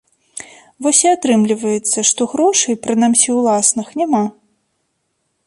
Вось і атрымліваецца, што грошай, прынамсі ўласных, няма.